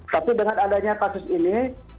tapi dengan adanya kasus ini